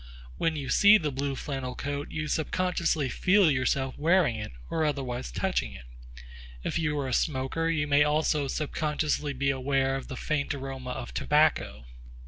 When you see the blue flannel coat you subconsciously feel yourself wearing it or otherwise touching it. If you are a smoker, you may also subconsciously be aware of the faint aroma of tobacco.